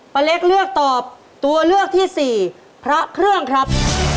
เล็กเลือกตอบตัวเลือกที่สี่พระเครื่องครับ